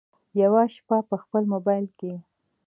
یوه شپه په خپل مبایل کې